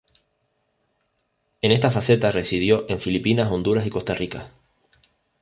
En esta faceta residió en Filipinas, Honduras y Costa Rica.